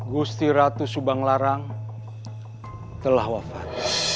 gusti ratu subanglarang telah wafat